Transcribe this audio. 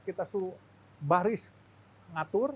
kita suruh baris ngatur